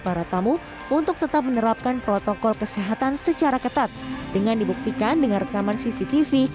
para tamu untuk tetap menerapkan protokol kesehatan secara ketat dengan dibuktikan dengan rekaman cctv